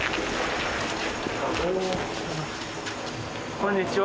こんにちは。